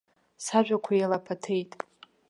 Сажәақәа еилаԥаҭеит.